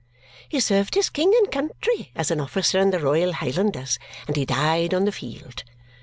He served his king and country as an officer in the Royal Highlanders, and he died on the field.